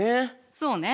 そうね。